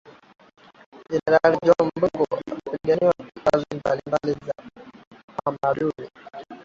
Jenerali John Mbungo atapangiwa kazi mbali na Hamduni